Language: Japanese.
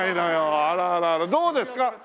どうですか？